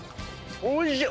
おいしい！